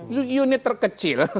itu unit terkecil